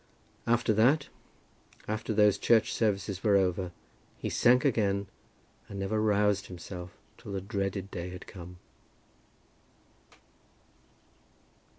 After that, after those church services were over, he sank again and never roused himself till the dreaded day had come.